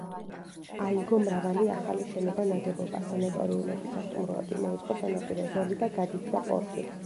აიგო მრავალი ახალი შენობა-ნაგებობა, სანატორიუმები, სასტუმროები, მოეწყო სანაპირო ზოლი და გადიდდა პორტი.